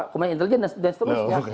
komando intelligence dan seterusnya